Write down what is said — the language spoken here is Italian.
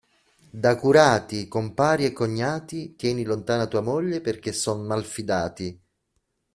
Da curati, compari e cognati tieni lontana tua moglie perché son malfidati.